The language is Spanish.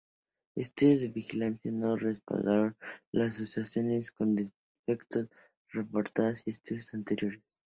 Estudios de vigilancia no respaldaron las asociaciones con defectos reportados en estudios anteriores.